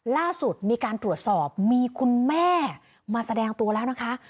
ล่าสุดมีการตรวจสอบมีคุณแม่มาแสดงตัวแล้วนะคะ